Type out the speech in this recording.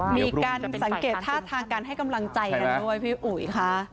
มีการสังเกตท่าทางการให้กำลังใจกันด้วยพี่อุ๋ยค่ะ